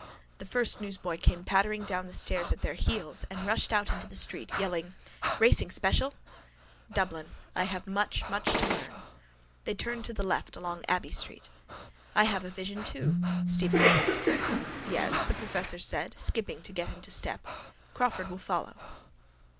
The first newsboy came pattering down the stairs at their heels and rushed out into the street, yelling: —Racing special! Dublin. I have much, much to learn. They turned to the left along Abbey street. —I have a vision too, Stephen said. —Yes? the professor said, skipping to get into step. Crawford will follow.